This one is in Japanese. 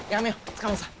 塚本さん